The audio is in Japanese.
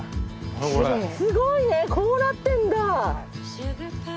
すごいねこうなってんだ！